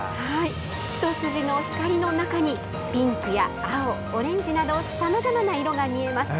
一筋の光の中にピンクや青、オレンジなどさまざまな色が見えます。